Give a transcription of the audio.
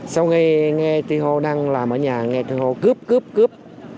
sau khi nghe chị hô đang làm ở nhà nghe chị hô cướp cướp cướp